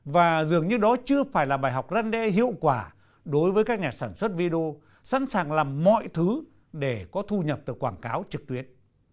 và dường như đó chưa phải là bài học răn đe hiệu quả đối với các nhà sản xuất video sẵn sàng làm mọi thứ để có thu nhập từ quảng cáo trực tuyến